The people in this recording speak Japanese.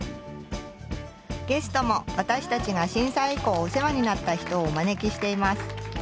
ゲストも私たちが震災以降お世話になった人をお招きしています。